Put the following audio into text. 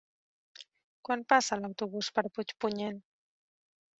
Quan passa l'autobús per Puigpunyent?